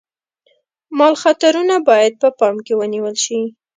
مال خطرونه باید په پام کې ونیول شي.